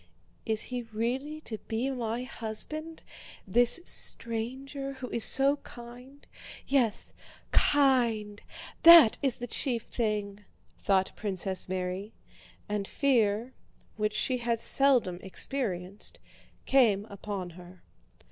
"Is he really to be my husband, this stranger who is so kind—yes, kind, that is the chief thing," thought Princess Mary; and fear, which she had seldom experienced, came upon her.